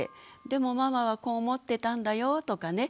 でもママはこう思ってたんだよとかね